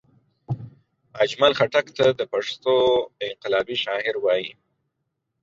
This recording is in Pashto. اجمل خټګ ته دا پښتو انقلابي شاعر وايي